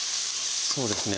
そうですね